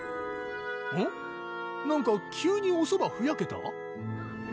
なんか急におそばふやけた？